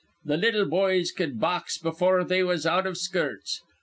Th' little boys cud box befure they was out iv skirts.